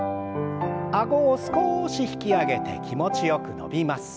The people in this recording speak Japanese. あごを少し引き上げて気持ちよく伸びます。